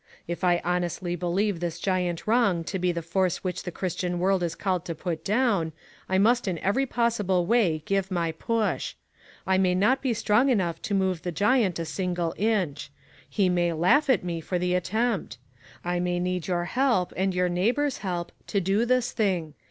If I honestly believe this giant wrong to be the force which the Christian world is called to put down, I must in every possible way give my push. I may not be strong enough to move the giant a single inch. He may laugh at me for the attempt. I may need your help, and your neighbors' help, to do this thing.